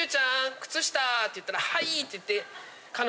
って言ったらはいって言って。